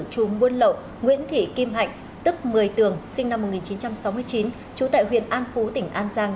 chú muôn lậu nguyễn thị kim hạnh tức một mươi tường sinh năm một nghìn chín trăm sáu mươi chín chú tại huyện an phú tỉnh an giang